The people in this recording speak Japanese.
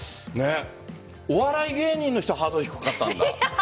お笑い芸人の人ハードル低かったんだ？